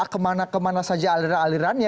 kemana kemana saja alirannya